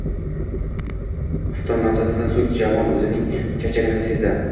Xufton namozidan so`ng Jamol o`zining charchaganini sezdi